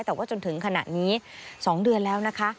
แต่ว่าจนถึงขณะนี้๒เดือนแล้วนะคะ